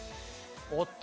おっと？